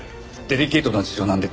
デリケートな事情なんで。